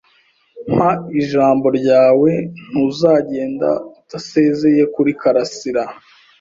Mpa ijambo ryawe ntuzagenda utasezeye kuri karasira.